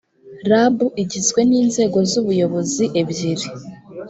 rab igizwe n inzego z ubuyobozi ebyiri